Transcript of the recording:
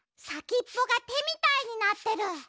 さきっぽがてみたいになってる。